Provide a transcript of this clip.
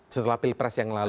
setelah pilpres yang lalu